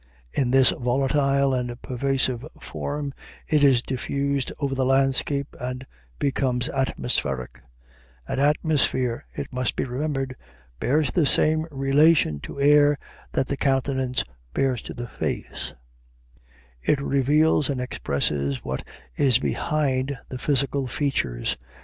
In this volatile and pervasive form it is diffused over the landscape and becomes atmospheric; and atmosphere, it must be remembered, bears the same relation to air that the countenance bears to the face: it reveals and expresses what is behind the physical features.